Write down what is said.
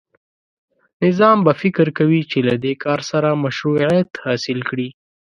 نظام به فکر کوي چې له دې کار سره مشروعیت حاصل کړي.